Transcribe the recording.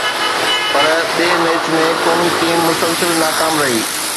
پر ٻئي ميچ ۾ قومي ٽيم مسلسل ناڪام رهي.